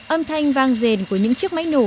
âm thanh vang rền của những chiếc máy nổ